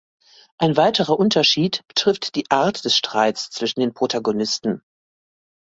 Ein weiterer Unterschied betrifft die Art des Streits zwischen den Protagonisten.